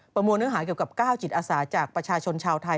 มวลเนื้อหาเกี่ยวกับ๙จิตอาสาจากประชาชนชาวไทย